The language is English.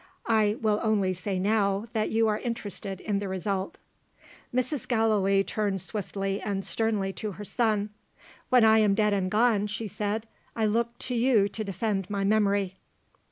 I will only say now, that you are interested in the result." Mrs. Gallilee turned swiftly and sternly to her son. "When I am dead and gone," she said, "I look to you to defend my memory."